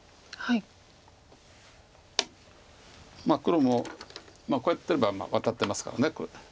まあ黒もこうやってればワタってますから。